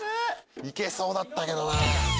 行けそうだったけどな。